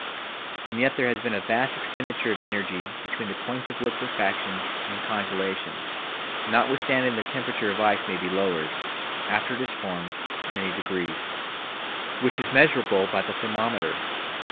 And yet there has been a vast expenditure of energy between the points of liquefaction and congelation, notwithstanding the temperature of ice may be lowered, after it is formed, many degrees, which is measurable by the thermometer.